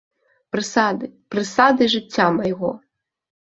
Прысады, прысады жыцця майго!